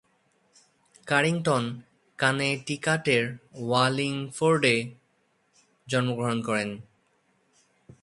কারিংটন কানেটিকাটের ওয়ালিংফোর্ডে জন্মগ্রহণ করেন।